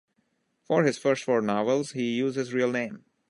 For his first four novels, he used his real name.